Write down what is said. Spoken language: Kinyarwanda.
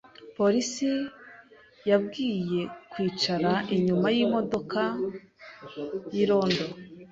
Polisi yabwiye kwicara inyuma yimodoka y irondo.